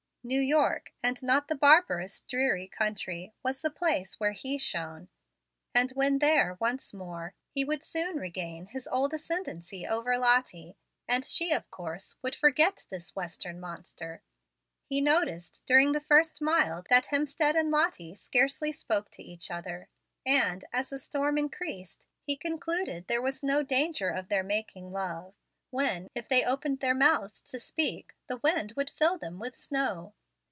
New York, and not the barbarous, dreary country, was the place where he shone; and when there once more, he would soon regain his old ascendency over Lottie, and she, of course, would forget this Western monster. He noticed, during the first mile, that Hemstead and Lottie scarcely spoke to each other; and, as the storm increased, he concluded there was no danger of their making love when, if they opened their mouths to speak, the wind would fill them with snow.